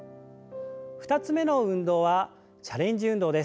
２つ目の運動はチャレンジ運動です。